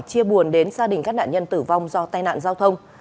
chia buồn đến gia đình các nạn nhân tử vong do tai nạn giao thông